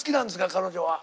彼女は。